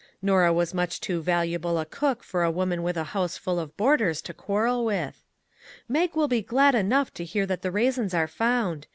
Norah was much too valuable a cook for a woman with a house full of boarders to quarrel with. " Mag will be glad enough to hear that the raisins are found.